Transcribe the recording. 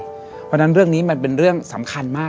เพราะฉะนั้นเรื่องนี้มันเป็นเรื่องสำคัญมาก